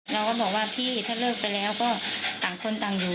เราก็บอกว่าพี่ถ้าเลิกไปแล้วก็ต่างคนต่างอยู่